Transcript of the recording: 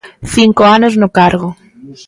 Cinco anos no cargo.